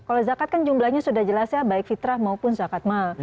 kalau zakat kan jumlahnya sudah jelas ya baik fitrah maupun zakat mal